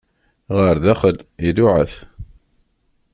Ɣer daxel, iluɛa-t.